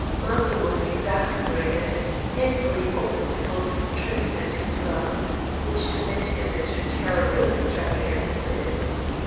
Matho was exasperated; every obstacle strengthened his wrath, which led him into terrible extravagances.